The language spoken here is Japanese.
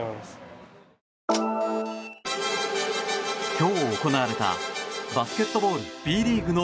今日、行われたバスケットボールＢリーグの